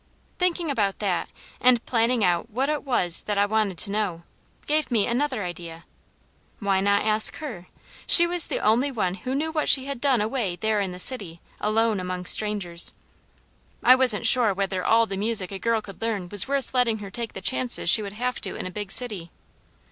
Thinking about that and planning out what it was that I wanted to know, gave me another idea. Why not ask her? She was the only one who knew what she had done away there in the city, alone among strangers; I wasn't sure whether all the music a girl could learn was worth letting her take the chances she would have to in a big city.